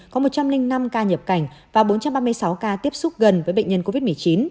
có một trăm linh năm ca nhập cảnh và bốn trăm ba mươi sáu ca tiếp xúc gần với bệnh nhân covid một mươi chín